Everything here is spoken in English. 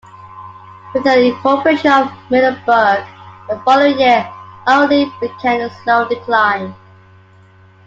With the incorporation of Middleburg the following year, Aldie began a slow decline.